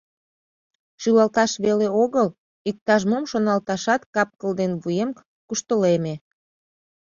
— Шӱлалташ веле огыл, иктаж-мом шоналташат кап-кыл ден вуем куштылеме.